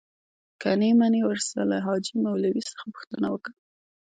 که نې منې ورسه له حاجي مولوي څخه پوښتنه وکه.